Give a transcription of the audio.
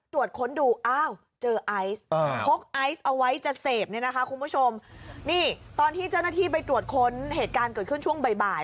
ตรวจค้นดูอ้าวเจอไอซ์พกไอซ์เอาไว้จะเสพเนี่ยนะคะคุณผู้ชมนี่ตอนที่เจ้าหน้าที่ไปตรวจค้นเหตุการณ์เกิดขึ้นช่วงบ่าย